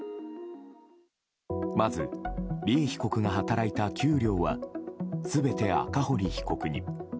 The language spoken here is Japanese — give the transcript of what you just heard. まず、利恵被告が働いた給料は全て赤堀被告に。